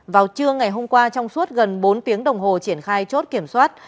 vào trưa ngày hôm qua trong suốt gần bốn tiếng đồng hồ triển khai chốt kiểm soát